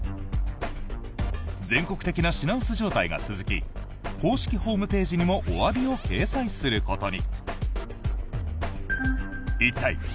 全国的な品薄状態が続き公式ホームページにもおわびを掲載することに。